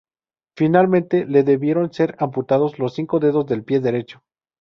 Finalmente, le debieron ser amputados los cinco dedos del pie derecho.